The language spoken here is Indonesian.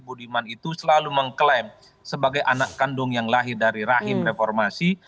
budiman itu selalu mengklaim sebagai anak kandung yang lahir dari rahim reformasi